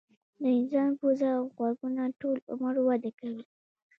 د انسان پوزه او غوږونه ټول عمر وده کوي.